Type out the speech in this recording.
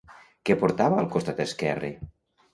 Què portava al costat esquerre?